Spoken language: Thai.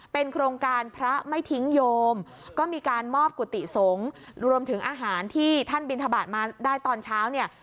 เป็นโครงการพระไม่ทิ้งโยมก็มีการมอบกุฏิสงฆ์รวมถึงอาหารที่ท่านบินทบาทมาได้ตอนเช้าเนี่ย